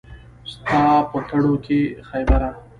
ستا په تړو کښې خېبره